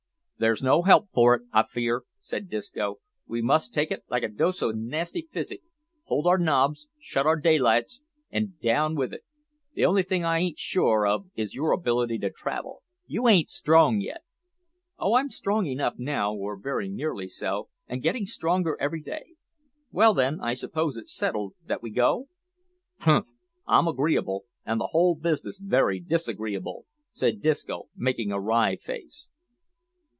"There's no help for it, I fear," said Disco. "We must take it like a dose o' nasty physic hold our nobs, shut our daylights, an' down with it. The only thing I ain't sure of is your ability to travel. You ain't strong yet." "Oh, I'm strong enough now, or very nearly so, and getting stronger every day. Well, then, I suppose it's settled that we go?" "Humph! I'm agreeable, an' the whole business werry disagreeable," said Disco, making a wry face.